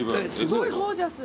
すごいゴージャス。